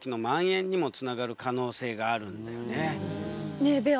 ねえベア。